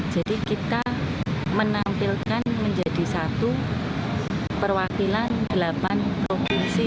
jadi kita menampilkan menjadi satu perwakilan delapan provinsi